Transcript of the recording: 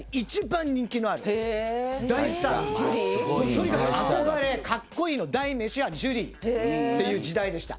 とにかく「憧れ」「格好いい」の代名詞がジュリーっていう時代でした。